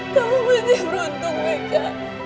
kamu masih beruntung beka